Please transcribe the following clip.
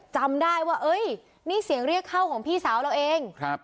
จำได้ว่าเอ้ยนี่เสียงเรียกเข้าของพี่สาวเราเองครับ